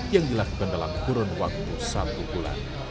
yang dilakukan dalam kurun waktu satu bulan